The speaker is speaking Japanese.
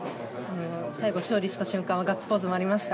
最後、勝利した瞬間はガッツポーズもありました。